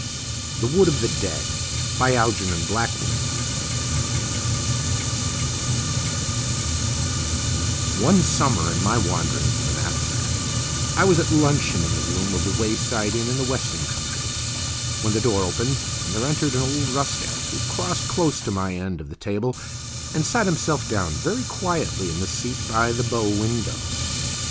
THE WOOD OF THE DEAD One summer, in my wanderings with a knapsack, I was at luncheon in the room of a wayside inn in the western country, when the door opened and there entered an old rustic, who crossed close to my end of the table and sat himself down very quietly in the seat by the bow window.